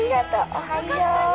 おはよう。